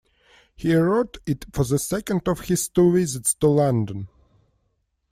He wrote it for the second of his two visits to London.